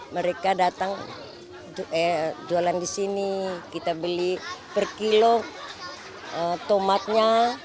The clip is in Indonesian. mereka datang jualan di sini kita beli per kilo tomatnya